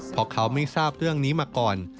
เพราะเขาไม่ทราบเรื่องนี้มาก่อน